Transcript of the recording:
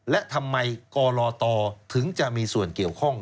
และทำไมกรตถึงจะมีส่วนเกี่ยวข้อง